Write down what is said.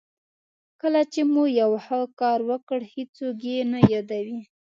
کله چې مو یو ښه کار وکړ هېڅوک یې نه یادوي.